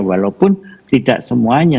walaupun tidak semuanya